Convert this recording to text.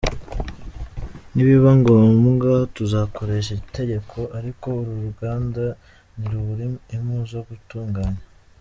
Nibiba ngombwa tuzakoresha itegeko ariko uru ruganda ntirubure impu zo gutunganya.